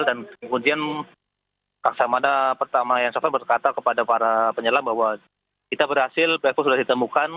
dan kemudian laksamana pertama yang sofian berkata kepada para penyelam bahwa kita berhasil black box sudah ditemukan